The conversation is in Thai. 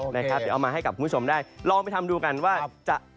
โอเคภาพยาบาลอาวาสคุณผู้ชมได้ลองไปทำดูกันว่าครับ